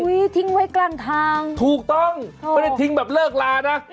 ทิ้งไว้กลางทางถูกต้องไม่ได้ทิ้งแบบเลิกลานะ